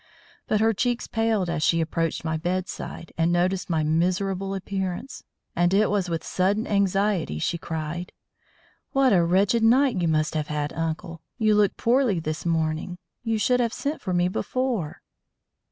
But her cheeks paled as she approached my bedside and noticed my miserable appearance; and it was with sudden anxiety she cried: "What a wretched night you must have had, uncle! You look poorly this morning. You should have sent for me before."